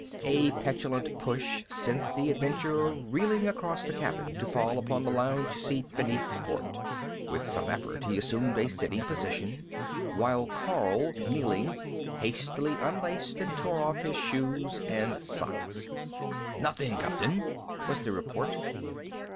A petulant push sent the adventurer reeling across the cabin to fall upon the lounge seat beneath the port. With some effort he assumed a sitting position, while Karl, kneeling, hastily unlaced and tore off his shoes and socks. "Nothing, captain," was the report.